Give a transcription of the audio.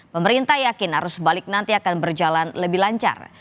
pemerintah yakin arus balik nanti akan berjalan lebih lancar